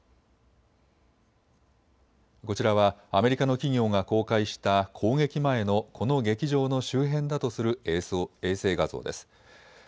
こちらはアメリカの企業が公開した攻撃前のこの劇場の周辺だとする衛星画像です。